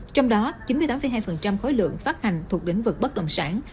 trong đó chín mươi tám hai khối lượng phát hành thuộc đến vực bất đồng sản